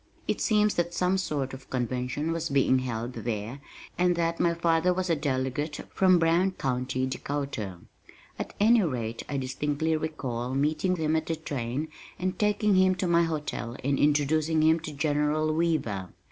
It seems that some sort of convention was being held there and that my father was a delegate from Brown County, Dakota. At any rate I distinctly recall meeting him at the train and taking him to my hotel and introducing him to General Weaver.